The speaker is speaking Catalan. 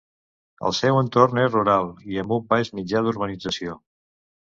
El seu entorn és rural i amb un baix mitjà d'urbanització.